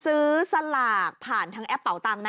ซื้อสลากผ่านทางแอปป่าวตังนะ